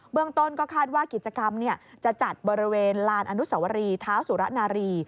เมืองต้นก็คาดว่ากิจกรรมจะจัดบริเวณลานอนุสวรีเท้าสุระนารี